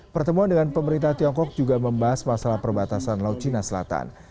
pertemuan dengan pemerintah tiongkok juga membahas masalah perbatasan laut cina selatan